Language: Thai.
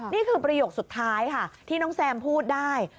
นี่คือประโยคสุดท้ายค่ะที่น้องแซมพูดได้